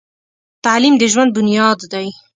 تعلیم د ژوند بنیاد دی.